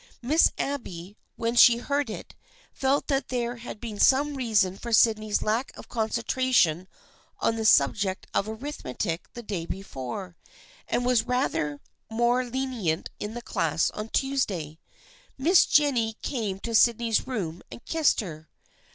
Miss Abby, when she heard it, felt that there had been some reason for Sydney's lack of concentration on the subject of arithmetic the day before, and was rather more lenient in the class of Tuesday. Miss Jennie came to Sydney's room and kissed her.